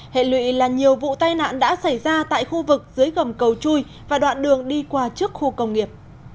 hệ lụy là nhiều vụ tai nạn đã xảy ra tại khu vực dưới gầm cầu chui và đoạn đường đi qua trước khu công nghiệp